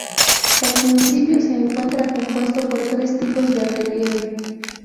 El municipio se encuentra compuesto por tres tipos de relieve.